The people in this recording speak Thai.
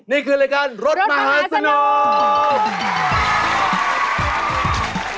นี่คือรายการรถมหาสนุก